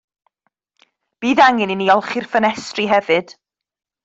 Bydd angen i ni olchi'r ffenestri hefyd.